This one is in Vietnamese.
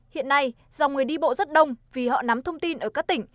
hiện nay dòng người đi bộ rất đông vì họ nắm thông tin ở các tỉnh